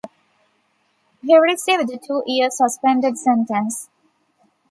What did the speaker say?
He received a two-year suspended sentence.